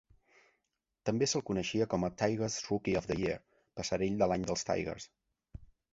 També se'l coneixia com a Tigers Rookie of The Year ("passerell de l'any dels Tigers").